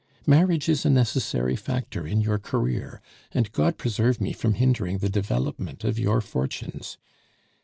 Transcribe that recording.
Marriage is a necessary factor in your career, and God preserve me from hindering the development of your fortunes.